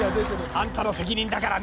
あんたの責任だからね！